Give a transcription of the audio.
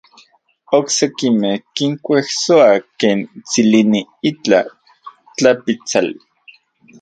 Oksekimej kinkuejsoa ken tsilini itlaj tlapitsali.